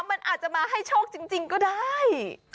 มันอาจจะมาให้โชคจริงก็ได้